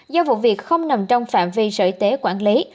do vụ việc không nằm trong phạm vi sở y tế quản lý